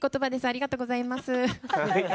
ありがとうございます。